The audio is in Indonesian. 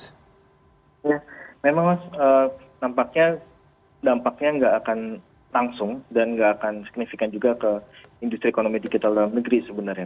ya memang mas dampaknya nggak akan langsung dan nggak akan signifikan juga ke industri ekonomi digital dalam negeri sebenarnya